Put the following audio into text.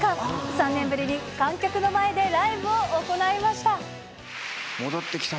３年ぶりに観客の前でライブを行いました。